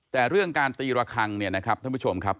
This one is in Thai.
แต่เรื่องการตีระคังเนี่ยนะครับท่านผู้ชมครับ